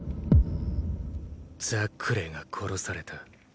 ザックレーが殺された？